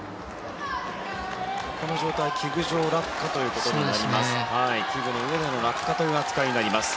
この状態、器具上落下ということになります。